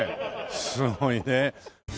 すごいね。